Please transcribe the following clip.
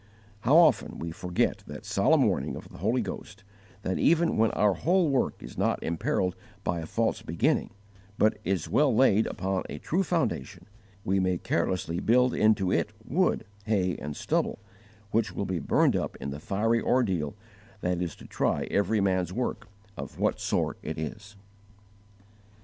How often we forget that solemn warning of the Holy Ghost, that even when our whole work is not imperilled by a false beginning, but is well laid upon a true foundation, we may carelessly build into it wood, hay, and stubble, which will be burned up in the fiery ordeal that is to try every man's work of what sort it is!